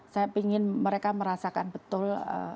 saya ingin mereka merasakan betul